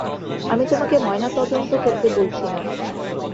আমি তোমাকে ময়নাতদন্ত করতে বলছি না।